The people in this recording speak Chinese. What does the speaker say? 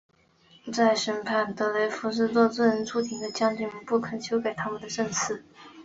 在审判德雷福斯时作为证人出庭的将军们不肯修改他们的证词。